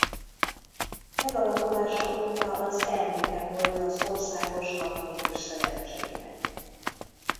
Megalakulása óta az elnöke volt az Országos Katolikus Szövetségnek.